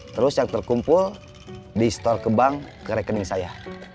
terus yang terkumpul di store ke bank ke rekening saya